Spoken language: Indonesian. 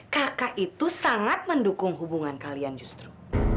kakak itu sangat mendukung hubungan kalian justru